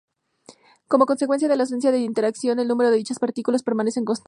Como consecuencia de la ausencia de interacción, el número de dichas partículas permanece constante.